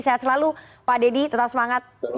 sehat selalu pak dedy tetap semangat